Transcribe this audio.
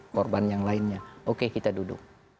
korban yang lainnya oke kita duduk